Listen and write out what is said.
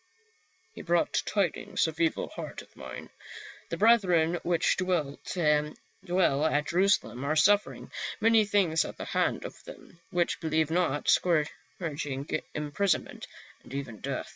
" He brought tidings of evil, heart of mine. The brethren which dwell at Jerusalem are suffering many things at the hand of them which believe not, scourg ing, imprisonment, and even death."